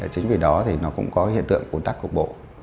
chính vì đó thì nó cũng có hiện tượng ồn tắc cục bộ